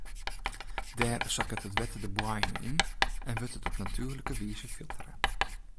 Dêr sakket it wetter de boaiem yn en wurdt it op natuerlike wize filtere.